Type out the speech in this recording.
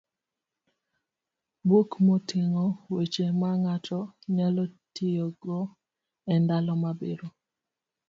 buk moting'o weche ma ng'ato nyalo tiyogo e ndalo mabiro.